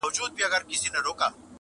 له ګلفامه سره لاس کي ېې جام راوړ,